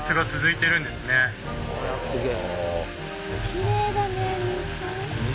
きれいだね水。